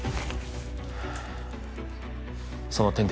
その点滴